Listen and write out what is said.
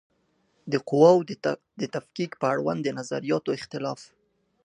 د قواوو د تفکیک په اړوند د نظریاتو اختلاف